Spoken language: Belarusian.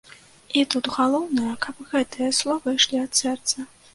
І тут галоўнае, каб гэтыя словы ішлі ад сэрца.